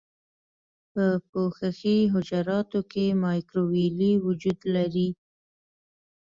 په پوښښي حجراتو کې مایکروویلې وجود لري.